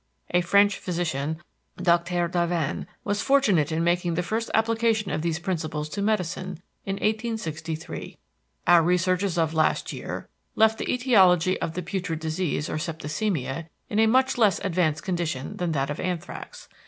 A French physician, Dr. Davaine, was fortunate in making the first application of these principles to Medicine, in 1863.Our researches of last year, left the etiology of the putrid disease, or septicemia, in a much less advanced condition than that of anthrax.